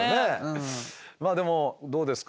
まあでもどうですか？